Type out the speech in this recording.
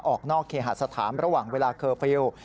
ออกนอกเคหาสถานระหว่างเวลาเคอร์ฟิลล์